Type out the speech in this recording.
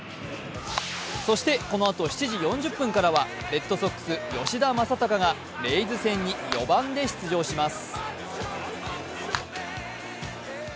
このあと７時４０分からはレッドソックス・吉田正尚がレイズ戦に４番で出場します。